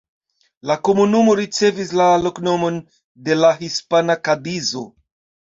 La komunumo ricevis la loknomon de la hispana Kadizo.